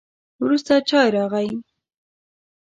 وروسته چای راغی.